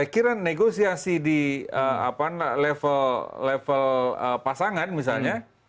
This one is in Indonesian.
akhirnya negosiasi di level pasangan misalnya